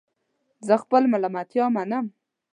زه خپل ملامتیا منم